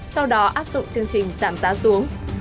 sau đó áp dụng chương trình giảm giá xuống